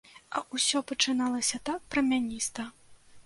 А ўсё пачыналася так прамяніста!